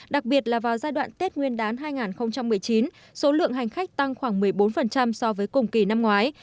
đặc biệt là vào giai đoạn tết nguyên đán hai nghìn một mươi chín số lượng hành khách tăng khoảng một mươi bốn so với cùng kỳ năm ngoái